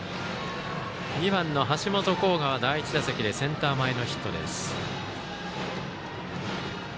２番の橋本航河は第１打席でセンター前のヒットです。